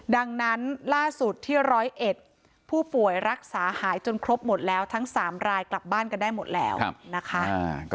ดังนั้นล่าสุดที่ร้อยเอ็ดผู้ป่วยรักษาหายจนครบหมดแล้วทั้ง๓รายกลับบ้านกันได้หมดแล้วนะคะ